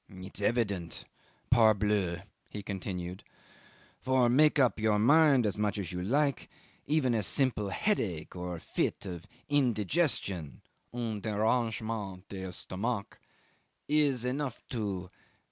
"It's evident parbleu!" he continued; "for, make up your mind as much as you like, even a simple headache or a fit of indigestion (un derangement d'estomac) is enough to